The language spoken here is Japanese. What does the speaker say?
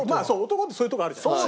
男ってそういうとこあるじゃない？